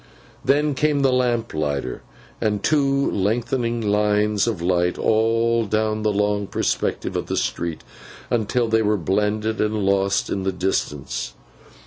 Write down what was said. Then came the lamplighter, and two lengthening lines of light all down the long perspective of the street, until they were blended and lost in the distance.